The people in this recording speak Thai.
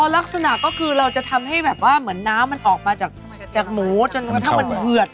ลักษณะก็คือเราจะทำให้แบบว่าเหมือนน้ำมันออกมาจากหมูจนกระทั่งมันเหือด